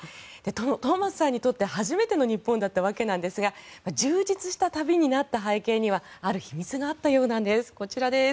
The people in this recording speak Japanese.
トーマスさんにとって初めての日本だったわけなんですが充実した旅になった背景にはある秘密があったようなんですこちらです。